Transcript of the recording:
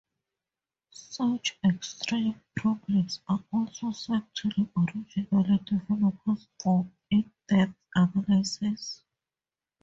Such extreme problems are also sent to the original developers for in-depth analysis.